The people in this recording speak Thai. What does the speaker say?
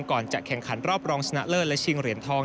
ก่อนจะแข่งขันรอบรองชนะเลิศ